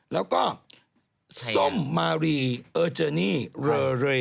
แล้วก็ส้มมารีเออเจอร์นี่เรอเร